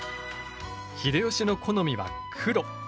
秀吉の好みは黒。